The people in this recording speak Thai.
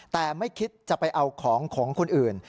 แต่ไม่คิดจะไปเอาของของคนอื่น